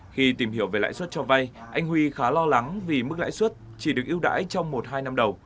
khi tìm hiểu về lãi suất cho vay anh huy khá lo lắng vì mức lãi suất chỉ được ưu đãi trong một hai năm đầu